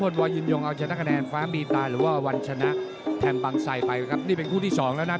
ในพี่กาตัง๑๔๒ปรอน